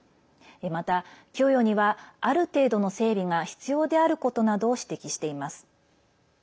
また供与には、ある程度の整備が必要であることなどを指摘しています。